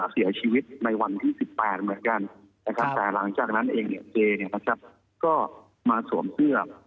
เสียชีวิตในวันที่๑๘เหมือนกันนะครับแต่หลังจากนั้นเองเนี่ยเจก็มาสวมเสื้อ